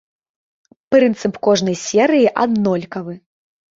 Прынцып кожнай серыі аднолькавы.